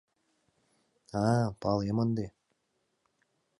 А-а, палем ынде...